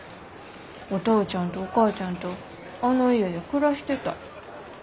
お父ちゃんとお母ちゃんとあの家で暮らしてたい。